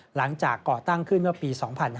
หลังจากก่อตั้งขึ้นเมื่อปี๒๕๓๙